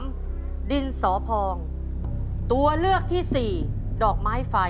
ข้อที่สามดินสอพองตัวเลือกที่สี่ดอกไม้ไฟ